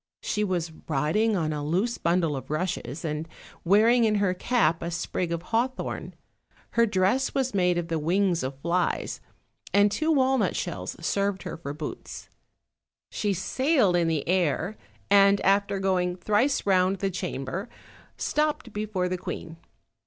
She was riding on a loose bundle of rushes, and wearing in her cap a sprig of haw thorn; her dress was made of the wings of flies, and two walnut shells served her for boots; she sailed in the air, and after going thrice round the chamber stopped before the queen.